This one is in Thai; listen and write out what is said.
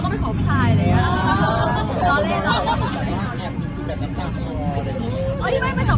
มีสัญญาณกับเขาหรือเปล่า